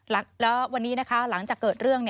แล้ววันนี้นะคะหลังจากเกิดเรื่อง